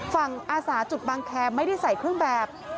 อาสาจุดบางแคมไม่ได้ใส่เครื่องแบบ